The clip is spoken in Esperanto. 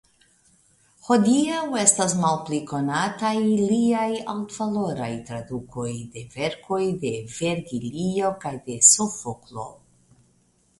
Hodiaŭ estas malpli konataj liaj altvaloraj tradukoj de verkoj de Vergilio kaj de Sofoklo.